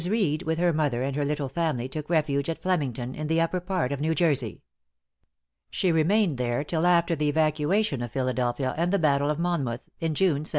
Reed with her mother and her little family took refuge at Flemington, in the upper part of New Jersey. She remained there till after the evacuation of Philadelphia and the battle of Monmouth, in June, 1778.